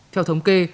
theo thống kê